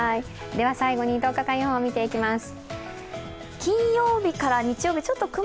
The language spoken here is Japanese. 最後に１０日間予報を見ていきます。